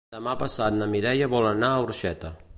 Demà passat na Mireia vol anar a Orxeta.